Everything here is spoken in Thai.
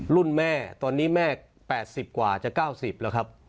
รุ่นแม่ตอนนี้แม่๘๐กว่าจะ๙๐แล้วครับ